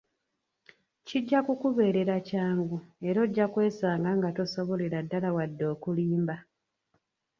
Kijja kukubeerera kyangu era ojja kwesanga nga tosobolera ddala wadde okulimba.